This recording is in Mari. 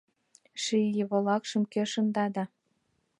Ший волакшым кӧ шында да?